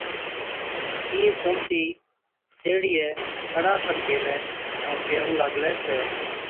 اِين سُڻتِي سيهڙِيئَي کَڙا کن گيلَي ائُون ڪيهُون لاگلَي تہ،